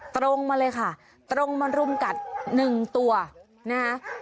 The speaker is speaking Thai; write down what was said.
ตรงมาเลยค่ะตรงมารุมกัดหนึ่งตัวนะฮะ